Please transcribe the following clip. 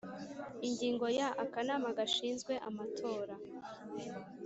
Ingingo ya Akanama gashinzwe amatora